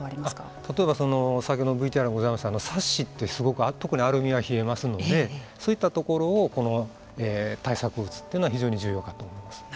例えば先ほどのＶＴＲにもございましたサッシってすごく特にアルミは冷えますのでそういったところを対策を打つというのは非常に重要かと思います。